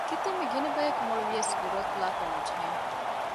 ކިތަންމެ ގިނަ ބަޔަކު މޮޅުވިޔަސް ގުރުއަތުލާކަށް ނުޖެހޭނެ